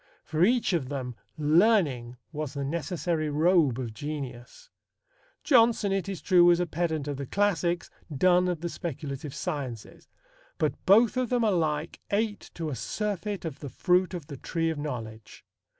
For each of them learning was the necessary robe of genius. Jonson, it is true, was a pedant of the classics, Donne of the speculative sciences; but both of them alike ate to a surfeit of the fruit of the tree of knowledge.